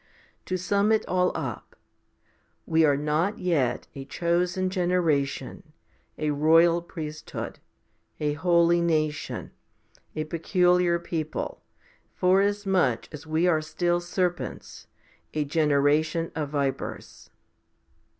To sum it all up, we are not yet a chosen generation, a royal priesthood, a holy nation, a peculiar people? forasmuch as we are still serpents, a generation of vipers?